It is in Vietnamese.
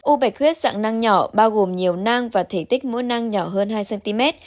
u bạch huyết dạng nang nhỏ bao gồm nhiều nang và thể tích mỗi nang nhỏ hơn hai cm